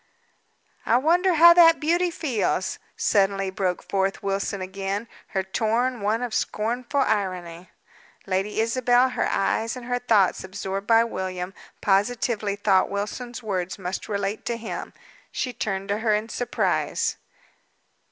"I wonder how that beauty feels?" suddenly broke forth Wilson again, her tone one of scornful irony. Lady Isabel, her eyes and her thoughts absorbed by William, positively thought Wilson's words must relate to him. She turned to her in surprise.